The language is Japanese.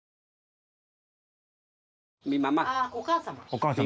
お母様。